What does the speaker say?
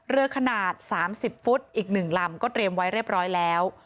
เรือขนาด๓๐ฟุตอีก๑ลำก็เตรียมไว้เรียบร้อยแล้ว